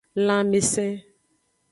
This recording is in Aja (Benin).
Lanmese.